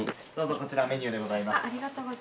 こちらメニューでございます。